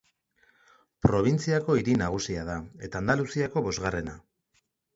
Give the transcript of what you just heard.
Probintziako hiri nagusia da, eta Andaluziako bosgarrena.